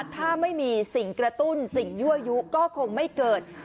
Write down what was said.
ถ้าไม่มีสิ่งกระตุ้นสิ่งยั่วยุก็คงไม่เกิด